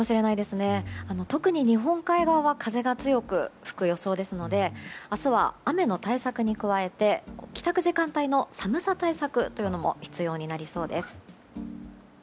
特に日本海側は風が強く吹く予想ですので明日は、雨の対策に加えて帰宅時間帯の寒さ対策も必要になりそうです。